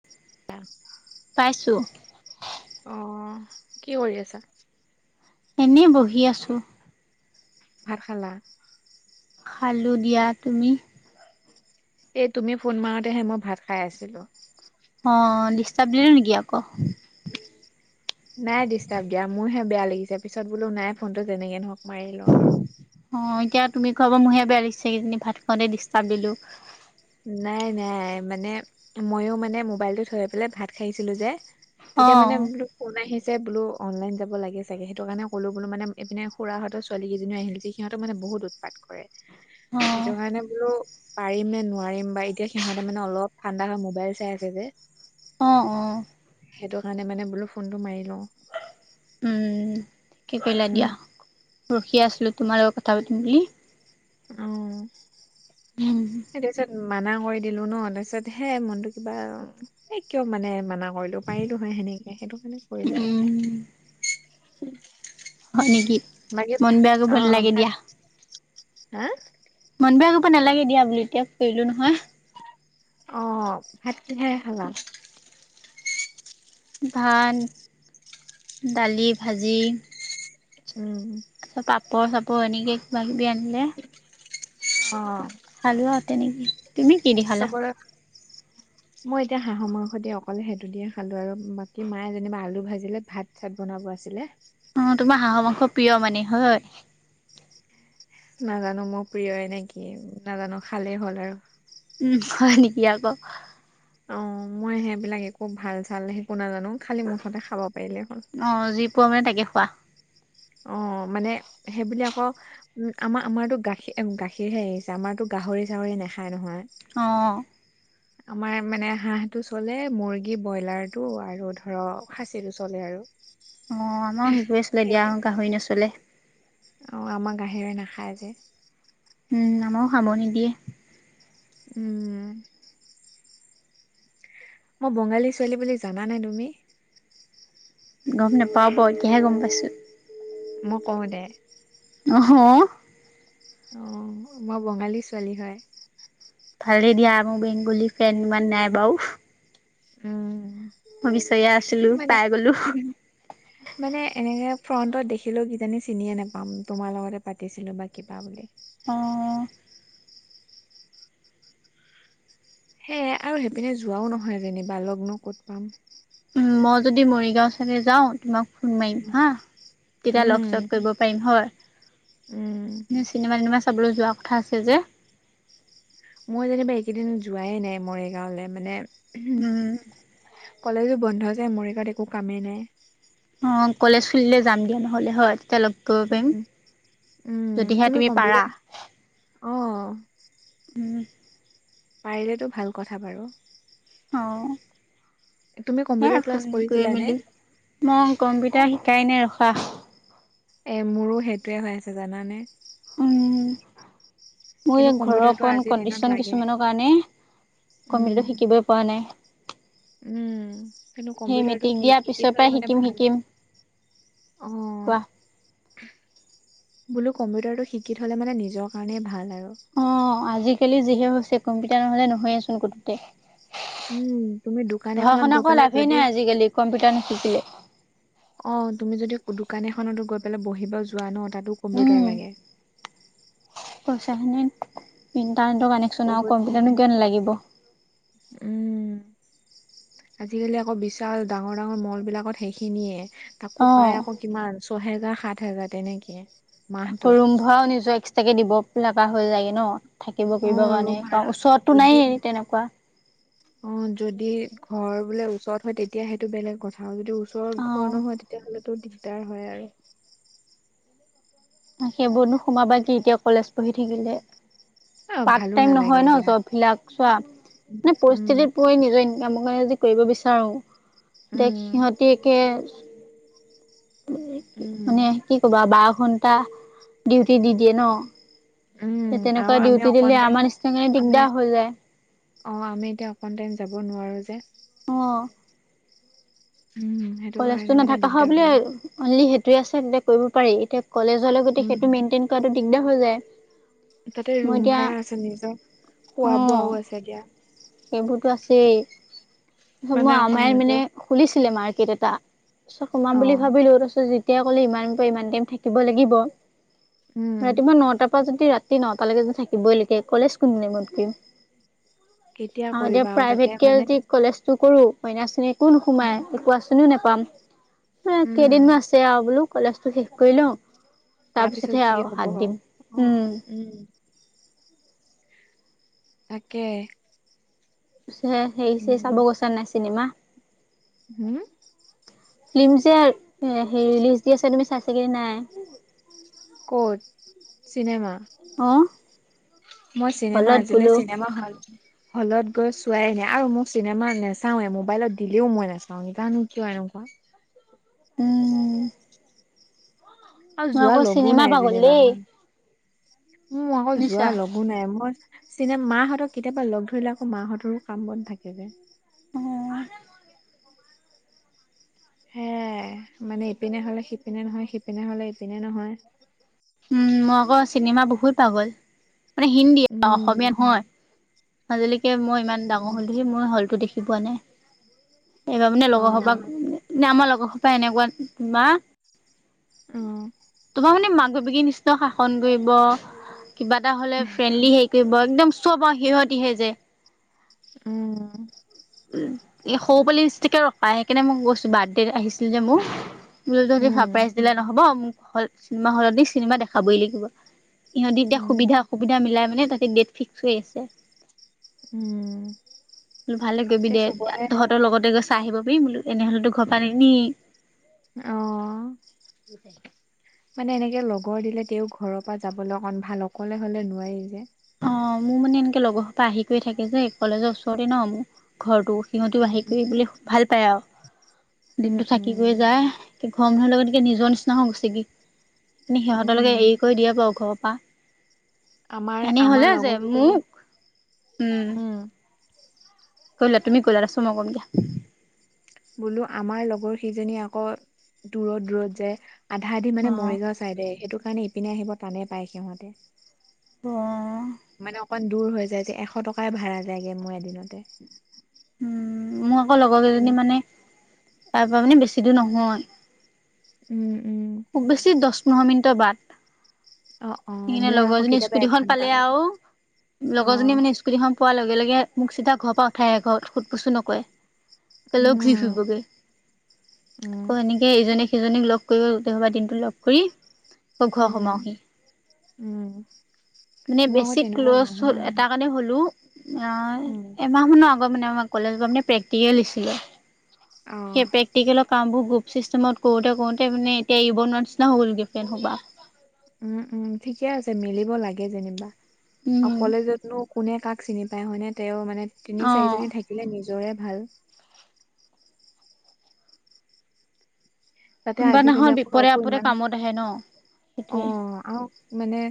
[inaudible] পাইছোঁ। অ, কি কৰি আছা? এনেই বহি আছোঁ। ভাত খালা? খালো দিয়া, তুমি? এই তুমি ফোন মাৰতেহে মই ভাত খাই আছিলো। অ ডিষ্টাৰ্ব দিলো নেকি আকৌ? নাই ডিষ্টাব দিয়া, মোৰহে বেয়া লাগিছে পিছত বোলো নাই ফোনটো যেনেকে নহক মাৰি লওঁ আৰু। অ এতিয়া তুমি কোৱা পা মোহে বেয়া লাগিছে, কিজানি ভাত খোওঁতে ডিষ্টাৰ্ব দিলো। নাই নাই মানে মইো মানে মোবাইলটোত থৈ পেলাই ভাত খাইছিলো যে অ তেতিয়া মানে বোলো ফোন আহিছে বোলো অনলাইন যাব লাগে চাগে সেইটো কাৰণে ক'লো বোলো মানে এইপিনে খুৰাহঁতৰ ছোৱালী কিজনী আহিলি যে। সিহঁতে মানে বহুত উৎপাত কৰে অ সেইটো কাৰণে বোলো পাৰি নো পাৰিম বা এতিয়া সিহঁতে মানে অলপ ঠাণ্ডা হয় মোবাইল চাই আছে যে। অঁ অঁ। সেইটো কাৰণে মানে বোলো ফোনটো মাৰি লওঁ। উম, কি কৰিলা দিয়া। ৰখিয়ে আছিলোঁ তোমাৰ লগত কথা পাতিম বুলি। উ উম। সেই তাৰপিছত মানা কৰি দিলো ন তাৰপিছত হে মনটো কিবা এই কিয় মানে মানা কৰিলো পাৰিলোহয় সেনেকে সেইটো কাৰণে উম কৰিলে হয় নেকি [inaudible] বাকি মন বেয়া কৰিব অহ নালাগে ভাত, দিয়া হা মন বেয়াগ কৰিব নালাগে দিয়া বোলি এতিয়া কৰিলো নহয়। অ, ভাত কিহে খালা? ভাত দালি ভাজি। উম। পাপৰ চাপৰ এনেকে কিবা কিবি আনিলে। অ। খালোঁ আৰু তেনেকে। তুমি কি দি খালা চবৰে [unintelligible] মই এতিয়া হাঁহৰ মংস দি অকলে সেইটো দিয়ে খালো আৰু বাকী মায়ে যেনিবা আলু ভাজিলে ভাত চাট বনাব আছিলে। মোৰ তোমাৰ হাঁহৰ মাংস প্ৰিয় মানে হয়। নাজানো মোৰ প্ৰিয় নে কি নাজানো খালে হ'ল আৰু। উম হয় নেকি আকৌ। অ মই সেইবিলাক একো ভাল চাল একো নাজানো খালি মুঠতে খাব পাৰিলে হ'ল। অ যি পোৱা মানে তাকে খোৱা। অ মানে সেই বুলি আকৌ উম আমাৰ আমাৰতো গাখীৰ -গাখীৰহে আহিছে আমাৰতো গাহৰি -চাহৰি নাখায় নহয়। অঁ আমাৰ মানে হাঁহটো চলে মুৰ্গী, ব্ৰইলাৰ, টো আৰু ধৰ খাচীটো চলে আৰু। অহ, আমাৰো সেইবোৰে আছিলে দিয়া গাহৰি নচলে। অহ, আমাৰ গাহিৰ নাখায় যে। উম, আমাৰো খাব নিদিয়ে। উম। মই বঙালী ছোৱালী বুলি জানানে তুমি? গম নাপাওঁ এতিয়াহে গম পাইছোঁ। মই কওঁ দে। অহ। অহ, মই বঙালী ছোৱালী হয়। ভালে দিয়া। মোৰ বেংগলী ফেন ইমান নাই বাৰু। উম। মই বিচাৰিয়ে আছিলোঁ, মানে পাই গলোঁ। মানে এনেকে ফ্ৰন্টত দেখিলেও কিজানি চিনিয়ে নোপাম, তোমাৰ লগতে পাতিছিলোঁ বা কিবা বুলি। অহ। সেয়ে আৰু সেইপিনে যোৱাও নহয় যেনিবা লগ ক'ত পাম। উম, মই যদি মৰিগাঁও চাইদে যাওঁ, তোমাক ফোন মাৰিম হা, তেতিয়া লগ-চগ উম কৰিব পাৰিম হয়। উম নিশ্চয়। চিনেমা-তিনেমা চাবলৈ যোৱা কথা আছে যে। মই যেনিবা এইকেইদিন যোৱাই নাই মৰিগাঁৱলে মানে উম। কলজো বন্ধ যে, মৰিগাঁওত একো কামেই নাই। অহ, কলেজ খুলিলে যাম দিয়া নহ'লে হয়, তেতিয়া লগ কৰিব উম', পাৰিম। উম'। উম, যদিহে তুমি পাৰা কম্পিউটাৰ অহ। উম। পাৰিলেটো ভাল কথা বাৰু। অহ, তুমি এয়া কম্পিউটাৰ ক্লাছ ফোন কৰি কৰিছিলানে মেলি। মোক অ কম্পিউটাৰ শিকাই নাই ৰখা। এ মোৰো সেইটোৱে হৈ আছে জানানে? উম। মোৰ কিন্তু ঘৰৰ কম্পিউটাৰটো অকন আজিৰ দিনত কডিচন লাগে কিছুমানৰ কাৰণে উম কম্পিউটাৰটো শিকিবই পৰা নাই। উম, কিন্তু সেই কম্পিউটাৰটো মেট্ৰিক কি দিয়াৰ পিছৰ শিকি পৰাই থলে মানে শিকিম ভাল। শিকিম অহ। কোৱা বোলো কম্পিউটাৰটো শিকি থলে মানে নিজৰ কাৰণেই ভাল আৰু। অহ, আজিকালি যিহে হৈছে, কম্পিউটাৰ নহ'লে নহয়েচোন কতোতে। উম তুমি দোকান পঢ়া এখনত শুনা গৈ একো পেলাই লাভেই নাই আজিকালি কম্পিউটাৰ নিশিকিলে। অহ, তুমি যদি দোকান এখনতো গৈ পেলাই বহিব যোৱা ন' তাতো কম্পিউটাৰ লাগে। কৈছা হেনে ইণ্টাৰনেটৰ কানেকট বহুত মানে উম। আজিকালি আকৌ বিশাল ডাঙৰ-ডাঙৰ মলবিলাকত সেইখিনিয়ে। আকৌ পাই অ আকৌ কিমান, ছয় হেজাৰ সাত হেজাৰ তেনেকে। আকৌ মাহটোত ৰুম ভাৰাও নিজৰ এক্সট্ৰাকে দিব লগা হৈ যায়গে ন'। থাকিব অ কৰিবৰ ৰুম কাৰণে, ভাড়া কাৰণ ওচৰতটো নায়েই তেনেকুৱা। অহ, যদি ঘৰ বোলে ওচৰত হয় তেতিয়া সেইটো বেলেগ কথা। আৰু ওচৰত ঘৰ অ নহয় তেতিয়াহ'লেতো দিগদাৰ হয় আৰু। সেইবোৰনো সোমাবা কি এতিয়া কলেজ পঢ়ি থাকিলে। অ পাৰ্ট ভালো টাইম নহয় নালাগে ন' দিয়া জববিলাক চোৱা, মানে উম পৰিস্থিতিত পৰি নিজৰ ইন কামকে যদি কৰিব বিচাৰোঁ তেতিয়া উম সিহঁতে একে মানে উম কি ক'বা, বাৰ ঘন্টা ডিউটি দি দিয়ে ন'। উম এ আৰু তেনেকুৱা আমি ডিউটি অকণ দিলে, টাইম আমাৰ নিচিনা কাৰণে দিগদাৰ হৈ যায়। অহ, আমি এতিয়া অকণ টাইম যাব নোৱাৰোঁ যে। অ'। [unintelligible] কলেজটো মানে নাথাকা হয় দিগদাৰ বুলিয়ে হৈ যায়। এৰি অনলি সেইটোৱে আছে তেতিয়া কৰিব পাৰি, এতিয়া কলেজলৈ গতি উম। সেইটো মেইনটেইন কৰাটো দিগদাৰ হৈ যায়। তাতে মই ৰুম এতিয়া ভাড়া আছে নিজৰ খোৱা অঁ বোৱাও আছে এতিয়া। সেইবোৰতো আছেই মানে মই অকণ আমাৰ মানে নিজৰ খুলিছিলে, মাৰ্কেট এটা, চ সোমাম বুলি অ', ভাবিলো তাৰপিছত তেতিয়া ক'লে ইমান পৰা ইমান টাইম থাকিব লাগিব, উম, ৰাতিপুৱা নটাৰ পৰা যদি ৰাতি ৰাতি নটালৈকে যে থাকিবই লাগে, কলেজ কোনদিনা মত কৰিল। কেতিয়া আহ, এতিয়া কৰিবা আৰু তাতে প্ৰাইভেট কে মানে যদি কলেজটো কৰো অন্য আঁচনি একো উম, নোসোমাই একো আঁচনিও নোপাম উম, কেইদিনমান আ আৰু বোলো কলেজটো শেষ কৰি লওঁ, তাৰপিছত তাৰপিছতহে যি আৰু হ'ব হাত হ'ব। দিম, অ', উম। উম। তাকে। পিছে হেৰি চেৰি চাব উম, গৈছা নাই, চিনেমা? হুম, ফিল্ম যে, হে ৰিলিজ দি আছে, তুমি চাইছা কি নাই? ক'ত, চিনেমা। অ'। মই চিনেমা, হলত আজিলৈ বোলো। চিনেমা হল হলত গৈ চোৱাই নাই, আৰু মোক চিনেমা নাচাওৱে, মোবাইলত দিলেও মই নাচাও, জানো কিয় এনেকুৱা। উম। আৰু মই যোৱা আকৌ লগো চিনেমা নাই পাগল যেনিবা, দেই। উম আকৌ যোৱা নিছা? লগ নাই, মই চিনেমা মাহঁতক কেতিয়াবা লগ ধৰিলে আকৌ মাহঁতৰো কাম বন থাকে যে। অ'। সেয়াই, মানে ইপিনে হলে, সিপিনে নহয়, সিপিনে হলে, ইপিনে নহয়। উম, মই আকৌ চিনেমা বহুত পাগ'ল, মানে হিন্দী অসমীয়া উম নহয়। আজিলৈকে মই ইমান ডাঙৰ হলোহি, মই হলটো দেখি পোৱা নাই। এইবাৰ মানে অ লগৰসোপাক, মানে আমাৰ লগৰসোপা এনেকুৱা মা অ'। তোমাৰ মানে মাক বাপেকী নিচিনা শাসন কৰিব, কিবা এটা হলে ফ্ৰেণ্ডলি হেৰি কৰিব আৰু একদম চব আৰু সিহঁতিহে যে। উম। উম, এ সৰু পলিমিষ্ট্তিকে বাইকিনে মই গৈছো বাৰ্থডে আহিছিল যে মোৰ। মোক চাৰপ্ৰাইজ দিলে নহব, মোক অকল চিনেমা হলত নি চিনেমা দেখাবই লাগিব। ইহঁতি এতিয়া উম সুবিধা অসুবিধা মিলাই মানে তাতে ডেট ফিক্স কৰি আহিছে। উম। বোলো ভালে কৰিবি এতিয়া দে, চবৰে তহঁতৰ লগতে গৈ চাই আহিব পাৰিবি বোলো এনেহলেতো ঘৰ পা নিনিয়েই। অ'। মানে এনেকে লগৰ দিলে তেওঁক ঘৰৰ পৰা যাবলৈ অকন ভাল, অকলে হলে নোৱাৰি যে। অ' মোৰ মানে এনেকে লগৰ সোপা আহি কৰি থাকে যে কলেজৰ ওচৰতে ন মোৰ ঘৰটো। সিহঁতি উম আহি কৰি বোলে ভাল পায় আৰু, উম দিনতটো থাকি উম কৰি যায়। কি ঘৰ মানুহ লগতকে নিজৰ নিচিনা হৈ গৈছে, কিন্তু উম সিহঁতলৈকে এৰি কৰি দিয়ে বাৰু ঘৰৰ পৰা। আমাৰ, এনে আমাৰ হ'লে যে লগৰ কেইজনী, মোক উম। কৰি লোৱা, তুমি কৰি লোৱা, তাৰপিছত মই কৰিম দিয়া। বোলো আমাৰ লগৰ সেইজনী আকৌ, দূৰত দূৰত যে, আধা আধি অ মানে মৰিগাঁও চাই সেইটো কাৰণে ইপিনে আহিব টানে পায় সিহঁতে, অ মই মানে অকমান দূৰ হৈ যায় যে, এশ টকাই ভাড়া লাগে মোৰ এদিনতে। উম মোৰ আকৌ লগৰ তেনে কেইজনী মানে, তাৰ পৰা মানে বেছি দূৰ নহয়। উম, উম। খুব বেছি দছ পোন্ধৰ মিনিটৰ বাট। অ অ ইনে মোৰ আকৌ লগৰজনী কেতিয়াবা স্কুটিখন এঘন্টা পালে লাগে আৰু অ লগৰজনী মানে স্কুটীখন পোৱা লগে লগে মোক চিধা ঘৰৰ পা উঠাই আকৌ খুদ পচু ও নকৰে। কলে ঘূৰি উম ফুৰিবগে উম আকৌ এনে এ ইজনে সিজনীক লগ কৰিব গোটে সোপা দিনটো লগ কৰি আকৌ ঘৰ উম, সোমাওহি উম। মানে মোৰ আকৌ বেছি তেনেকুৱা ক্ল'জ হ নহয় এটা কাৰণে হ'লোও নাই উম শুনা শুনা আগত মানে আমাৰ কলেজত মানে প্ৰেক্টিকেল দিছিল হে অ পেচ প্ৰেক্টিকেলৰ কামবোৰ বুক চিষ্টেমত কৰোতে কৰোতে মানে এতিয়া অ'বনোৱা নিচিনা হ'লে গোটেই খুপা। উম উম ঠিকে আছে মিলিব লাগে যেনিবা উম কলেজত নো কোনে কাক চিনি পায় হয়নে তেওঁ মানে তিনি অঁ চাৰিজনী থাকিলে নিজৰে ভাল। তাতে কোনোবা আজিকালি দিনাখন আকৌ বিপদে কাৰুকু আপদে ইমান, কামত আহে ন অ', সেইটোৱে আৰু। মানে,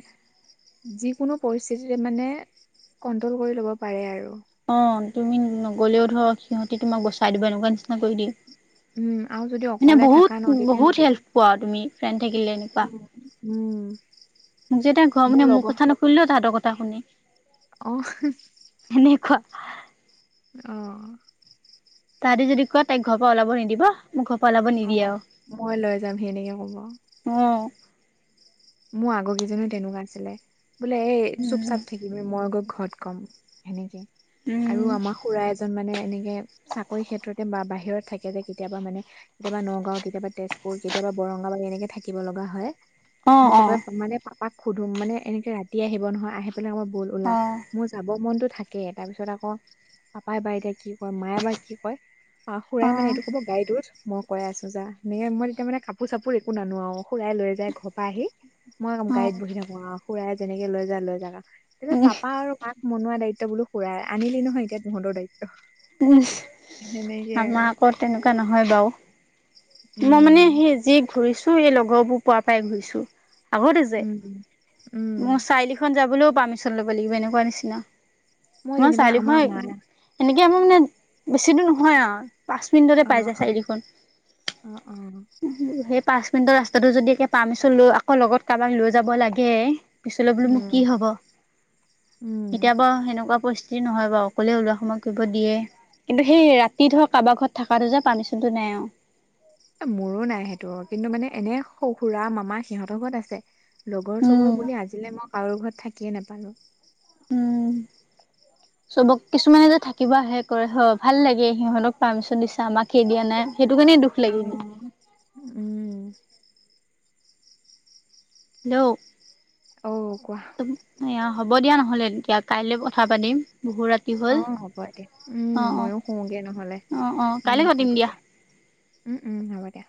যিকোনো পৰিস্থিতিৰে মানে কণ্ট্ৰ'ল কৰি ল'ব পাৰে আৰু। অ', তুমি নগলেও ধৰ সিহঁতে তোমাক বচাই দিব এনেকুৱা নিচিনা কৰি দিয়ে। উম আৰু যদি মানে অকলে থাকা ন বহুত তেতিয়া বহুত হেল্প পোৱা আৰু তুমি ফ্ৰেণ্ড থাকিলে এনেকুৱা। উম উম। মোক যে এতিয়া ঘৰ মোৰ মানুহে মোক লগৰ কথা নুশুনিলে তেখেতৰ কথা শুনি। অ'। এনেকুৱা। অ'। তাতে যদি কয় তাইক ঘৰ পৰা ওলাব নিদিব। মোক ঘৰপা ওলাব নিদিয়ে অ', আৰু মই লৈ যাম হেনেকে ক'ব। অ'। মোৰ আগৰ কেইজনো তেনেকুৱা আছিলে বোলে এই চুপ উম চাপ থাকিবি মই গৈ ঘৰত। ক'ম হেনেকৈ উম আৰু আমাক খুৰা এজন মানে এনেকে চাকৰি খেতত বা বাহিৰত থাকে যে কেতিয়াবা মানে। কেতিয়াবা নগাঁও, কেতিয়াবা তেজপুৰ, কেতিয়াবা বৰংগাবাদ এনেকে থাকিব লগা হয়। অ মই অ পাপাই মানে পাপাক খুদু মানে এনেকে ৰাতি আহিব নহয় আহি পেলাই অই ব'ল ওলা অ মোৰ যাব মনতো থাকে তাৰ পিছত আকৌ পাপাই বা এতিয়া কি কয় মায়ে বা কি কয়। আহ অ সুৰাই মানে এইটো অ ক'ব। গাড়ী তোত মই কৰাই আছো যায় এনেকে মই তেতিয়া মানে কাপোৰ সাপুৰ একো নানো আৰু খুৰাই লৈ যাই ঘৰ পা আহি। মই গাড়ীত বহি থাকো আৰু খুৰাই যেনেকে লৈ যাই লৈ যাওক আৰু তেতিয়া উম পাপা আৰু। পাক মনোৱা দায়িত্ব বুলু সুৰাই আনিলি নহয় এতিয়া তহঁতৰ দায়িত্ব। উম, সেনেকে আৰু আমাৰ আকৌ তেনেকুৱা নহয় বাৰু। মই মানে উম সেই যি ঘূৰিছো এই লগৰবোৰ পোৱা পাই ঘূৰিছো। আগতে যে উম। উম মোৰ চাৰিলিখন যাবলৈও পাৰ্মিছন ল'ব লাগিব এনেকুৱা নিচিনা। মই যেনিবা আমাৰ মা চাৰিলিখন সেনেকে আমাৰ মানে বেছি দূৰ নহয় আৰু। পাঁচ মিনিটতে অ পাই যায় অ চাৰিলিখন। অ অ সেই পাঁচ মিনিটৰ ৰাস্তাটো যদি এতিয়া পাৰ্মিচন লৈ আকৌ লগত ক'ৰবাক লৈ যাব লাগে পিছলৈ বোলো মোক কি উম হ'ব, উম কেতিয়াবা সেনেকুৱা পৰিস্থিতি যি নহয় বাৰু অকলে উলাও শুমুৱা কৰিব দিয়ে। কিন্তু, সেই ৰাতি ধৰ ক'ৰবাৰ ঘৰত থকাটো যে পাৰ্মিছনটো নাই আৰু। মোৰো নাই সেইটো কিন্তু মানে এনে খৰো খুৰা মামা সিহঁতৰ ঘৰত আছে। লগৰ চগৰ উম বুলি আজিলে মই কাৰো ঘৰত থাকিয়ে নোপালো। উম। চবক কিছুমানে যে থাকিব আহে কৰে হয় ভাল লাগে সিহঁতক পাৰ্মিছন দিছে আমাক সেই দিয়া নাই সেইটো কাৰণে দুখ লাগি হেল্ল' অ', উম। ধেও। অ', কোৱা। এয়া হ'ব দিয়া নহ'লে এতিয়া, কাইলে কথা পাতিম বহু ৰাতি হ'ল অ' হ'ব দে, উম, অ অ ময়ো শুমগে নহ'লে, অ অ উম, কাইলৈ পাতিম হ'ব দিয়া। উম, উম, হ'ব দিয়া।